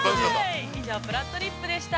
◆以上、「ぷらっとりっぷ」でした。